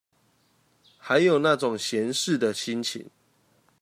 還有那種閒適的心情